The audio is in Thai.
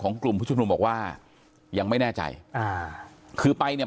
กลุ่มผู้ชุมนุมบอกว่ายังไม่แน่ใจอ่าคือไปเนี่ย